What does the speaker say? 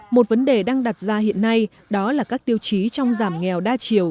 một vấn đề đang đặt ra hiện nay đó là các tiêu chí trong giảm nghèo đa chiều